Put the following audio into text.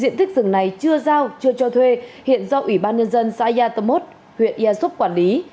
diện tích rừng này chưa giao chưa cho thuê hiện do ủy ban nhân dân xã yatamot huyện air soup quản lý